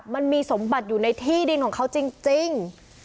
มันมีสมบัติอยู่ในที่ดินของเขาจริง